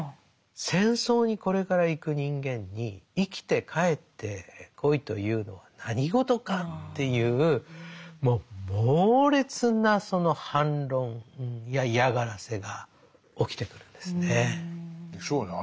戦争にこれから行く人間に生きて帰ってこいというのは何事かっていうもう猛烈な反論や嫌がらせが起きてくるんですね。でしょうね。